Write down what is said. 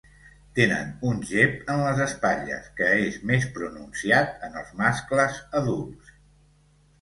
Tenen un gep en les espatlles que és més pronunciat en els mascles adults.